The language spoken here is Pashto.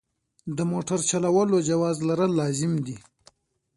د موټر چلولو جواز لرل لازم دي.